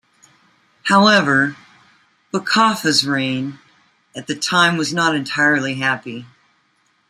However, Bakaffa's reign at the time was not entirely happy.